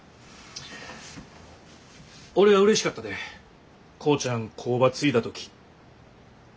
俺はうれしかったで浩ちゃん工場継いだ時。